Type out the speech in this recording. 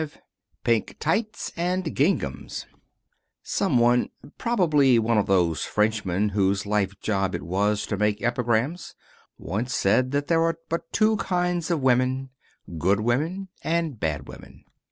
V PINK TIGHTS AND GINGHAMS Some one probably one of those Frenchmen whose life job it was to make epigrams once said that there are but two kinds of women: good women, and bad women.